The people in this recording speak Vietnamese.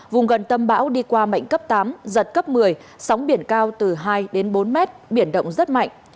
vùng gần tâm bão đi qua mạnh cấp tám giật cấp một mươi sóng biển cao từ hai đến bốn mét biển động rất mạnh